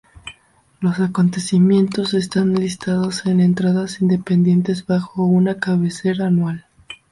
Los acontecimientos están listados en entradas independientes bajo una cabecera anual.